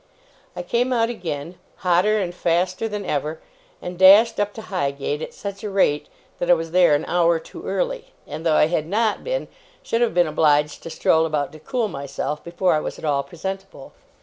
I came out again, hotter and faster than ever, and dashed up to Highgate, at such a rate that I was there an hour too early; and, though I had not been, should have been obliged to stroll about to cool myself, before I was at all presentable.